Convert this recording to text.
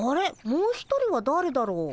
もう一人はだれだろう。